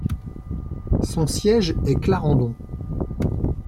Son siège est Clarendon.